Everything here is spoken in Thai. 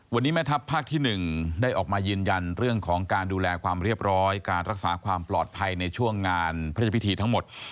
วันนี้แม่ทัพภาคที่๑ได้ออกมายืนยันเรื่องของการดูแลความเรียบร้อยการรักษาความปลอดภัยในช่วงงานพระเจ้าพิธีทั้งหมด